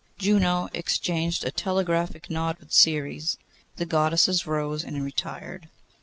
Juno exchanged a telegraphic nod with Ceres. The Goddesses rose, and retired.